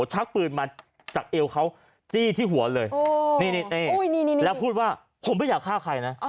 ชักปืนมาจากเอวเขาจี้ที่หัวเลยนี่แล้วพูดว่าผมไม่อยากฆ่าใครนะ